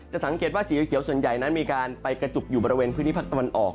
สังเกตว่าสีเขียวส่วนใหญ่นั้นมีการไปกระจุกอยู่บริเวณพื้นที่ภาคตะวันออก